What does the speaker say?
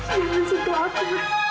jangan sepah aku